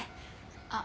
あっ。